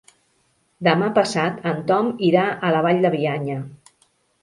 Demà passat en Tom irà a la Vall de Bianya.